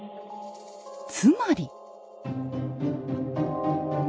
つまり。